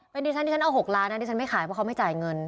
เป็นดิฉันที่ฉันเอา๖ล้านนะดิฉันไม่ขายเพราะเขาไม่จ่ายเงิน